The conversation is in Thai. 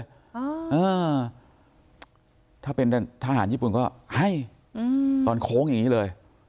เออถ้าเป็นทหารญี่ปุ่นก็ให้อืมตอนโค้งอย่างนี้เลย